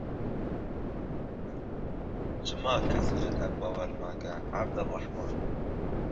Çima kes ji te bawer nake Evdirehman?